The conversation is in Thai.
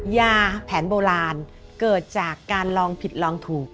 ยาแผนโบราณเกิดจากการลองผิดลองถูก